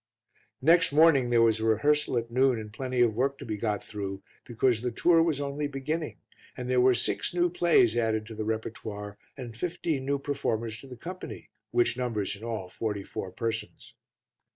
Next morning there was a rehearsal at noon and plenty of work to be got through, because the tour was only beginning, and there were six new plays added to the repertoire and fifteen new performers to the company, which numbers in all forty four persons.